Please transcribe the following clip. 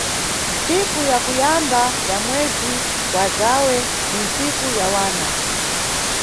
Ntsiku ya kuyamba ya mwezi wa Zawe ni ntsiku ya wana.